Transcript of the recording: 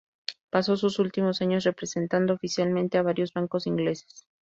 Pasó sus últimos años representando oficialmente a varios bancos ingleses.